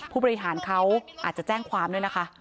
ผู้บริหารเขาอาจจะแจ้งความด้วยนะคะ